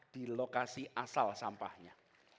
di lokasi asal sampahnya